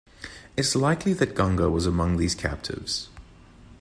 It's likely that Ganga was among these captives.